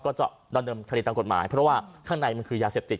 ก็จะดำเนินคดีตามกฎหมายเพราะว่าข้างในมันคือยาเสพติด